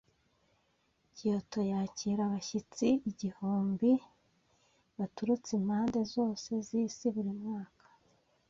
Kyoto yakira abashyitsi ibihumbi baturutse impande zose z'isi buri mwaka.